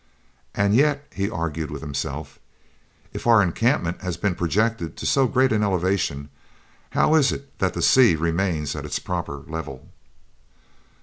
"And yet," he argued with himself, "if our encampment has been projected to so great an elevation, how is it that the sea remains at its proper level?"